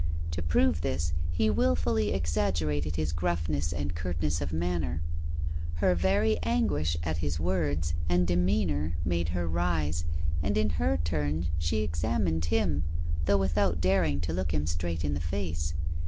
To prove this he wilfully exaggerated his gruffness and curtness of manner. Her very anguish at his words and demeanour made her rise, and in her turn she examined him, though without daring to look him straight in the face.